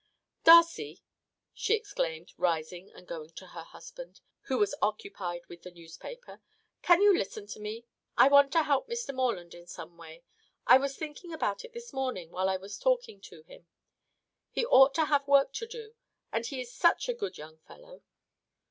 "Darcy," she exclaimed, rising and going to her husband, who was occupied with the newspaper, "can you listen to me? I want to help Mr. Morland in some way. I was thinking about it this morning while I was talking to him. He ought to have work to do, and he is such a good young fellow.